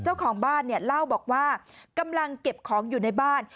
เจ้าของบ้านเนี่ยเล่าบอกว่ากำลังเก็บของอยู่ในบ้าน